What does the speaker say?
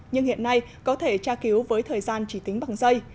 nhưng hiện nay có thể tra cứu với thời gian chỉ tính bằng giây